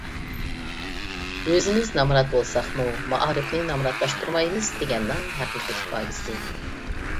ئۆزىمىز نامرات بولساقمۇ مائارىپنى نامراتلاشتۇرمايمىز دېگەننىڭ ھەقىقىي ئىپادىسى